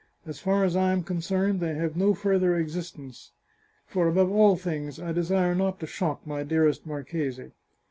As far as I am concerned, they have no further existence. For, above all things, I desire not to shock my dearest marchese."